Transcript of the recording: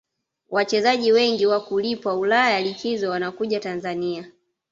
wachezaji wengi wakulipwa ulaya likizo wanakuja tanzania